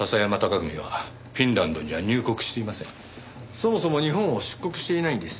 そもそも日本を出国していないんです。